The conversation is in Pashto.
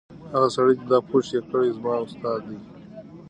هغه سړی چې دا پوسټ یې کړی زما استاد دی.